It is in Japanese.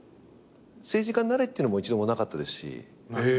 政治家になれっていうのも一度もなかったですし。